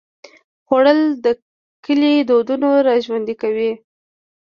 خوړل د کلي دودونه راژوندي کوي